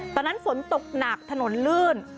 ตอนนั้นฝนตกหนักถนนลื่น